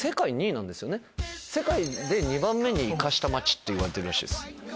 世界で２番目にいかした街っていわれてるらしいです。